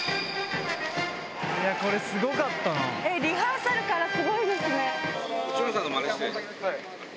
リハーサルからすごいですね。